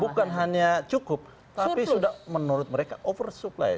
bukan hanya cukup tapi sudah menurut mereka oversupply